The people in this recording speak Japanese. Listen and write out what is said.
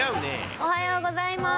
おはようございます。